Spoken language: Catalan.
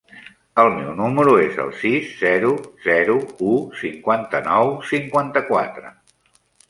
El meu número es el sis, zero, zero, u, cinquanta-nou, cinquanta-quatre.